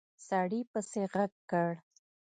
سړي پسې غږ کړ!